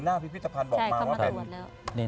หัวหน้าพิทธภัณฑ์บอกมาว่าใช่เขามาตรวจแล้ว